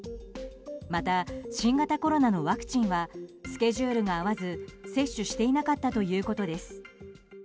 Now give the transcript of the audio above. また、新型コロナのワクチンはスケジュールが合わず接種していなかったということです。